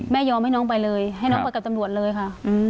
ยอมให้น้องไปเลยให้น้องไปกับตำรวจเลยค่ะ